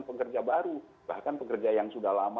pekerja baru bahkan pekerja yang sudah lama